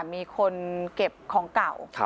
มีคนเก็บของเก่า